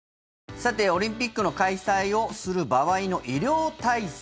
さて、オリンピックの開催をする場合の医療体制。